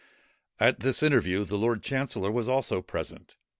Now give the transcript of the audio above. At this interview the lord chancellor was also present.